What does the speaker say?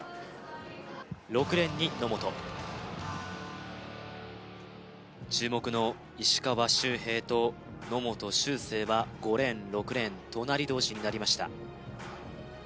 ６レーンに野本注目の石川周平と野本周成は５レーン６レーン隣どうしになりました